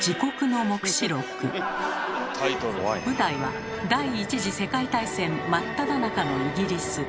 舞台は第一次世界大戦真っただ中のイギリス。